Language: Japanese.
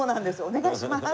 「お願いします！」